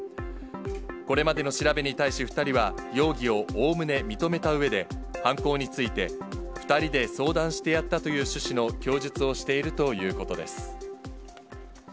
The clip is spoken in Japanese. これまでの調べに対し２人は、容疑をおおむね認めたうえで、犯行について、２人で相談してやったという趣旨の供述をしているということです。